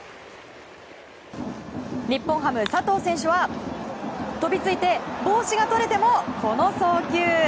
日本ハム、佐藤選手は飛びついて帽子が取れてもこの送球！